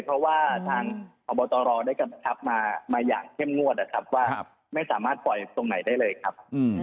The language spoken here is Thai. เพราะว่าทางพบตรได้กำชับมาอย่างเข้มงวดนะครับว่าไม่สามารถปล่อยตรงไหนได้เลยครับ